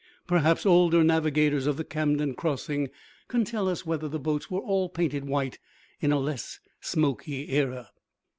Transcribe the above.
Perhaps older navigators of the Camden crossing can tell us whether the boats were all painted white in a less smoky era?